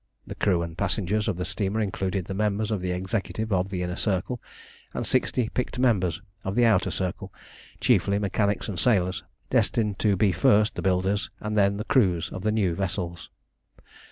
The crew and passengers of the steamer included the members of the Executive of the Inner Circle, and sixty picked members of the Outer Circle, chiefly mechanics and sailors, destined to be first the builders and then the crews of the new vessels.